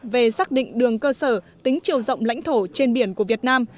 về xác định đường cơ sở tính chiều rộng lãnh thổ trên biển của việt nam